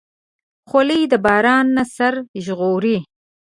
خولۍ د باران نه سر ژغوري.